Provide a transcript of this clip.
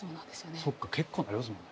そっか結構な量っすもんね。